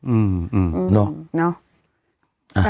อืมเนอะ